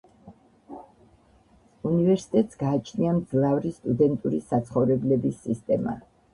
უნივერსიტეტს გააჩნია მძლავრი სტუდენტური საცხოვრებლების სისტემა.